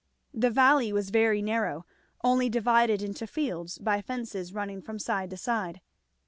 The valley was very narrow, only divided into fields by fences running from side to side.